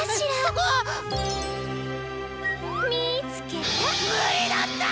みつけた！